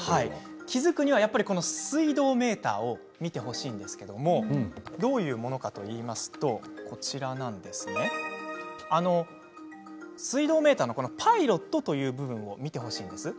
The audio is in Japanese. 気づくには水道メーターを見てほしいんですけれども水道メーターのパイロットという部分を見てほしいんです。